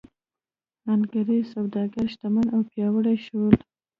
انګرېز سوداګر شتمن او پیاوړي شول.